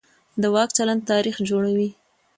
د واک چلند تاریخ جوړوي